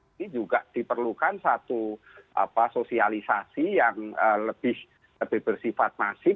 ini juga diperlukan satu sosialisasi yang lebih bersifat masif